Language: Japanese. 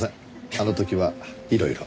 あの時はいろいろ。